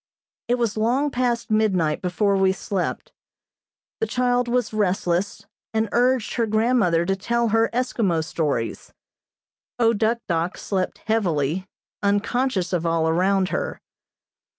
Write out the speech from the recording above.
It was long past midnight before we slept. The child was restless, and urged her grandmother to tell her Eskimo stories. O Duk Dok slept heavily, unconscious of all around her.